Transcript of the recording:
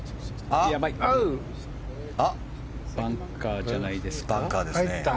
バンカーじゃないですか？